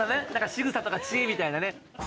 しぐさとか知恵みたいなね。